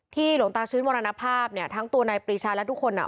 หลวงตาชื้นมรณภาพเนี่ยทั้งตัวนายปรีชาและทุกคนอ่ะ